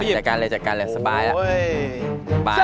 จัดการอะไรจัดการเลยสบายแล้ว